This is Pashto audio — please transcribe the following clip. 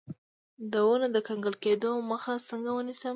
د ونو د کنګل کیدو مخه څنګه ونیسم؟